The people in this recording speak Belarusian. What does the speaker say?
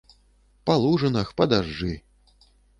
Па лужынах, па дажджы.